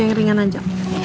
yang ringan aja